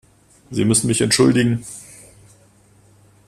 Sie müssen mich entschuldigen.